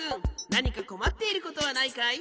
なにかこまっていることはないかい？